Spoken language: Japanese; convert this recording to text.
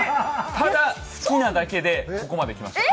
ただ好きなだけでここまできました。